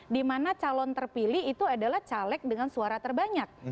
dimana calon terpilih itu adalah caleg dengan suara terbanyak